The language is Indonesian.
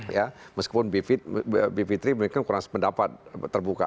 ya meskipun bivitri mungkin kurang pendapat terbuka